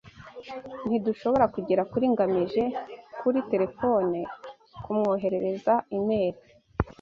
Ntidushobora kugera kuri ngamije kuri terefone, kumwoherereza imeri.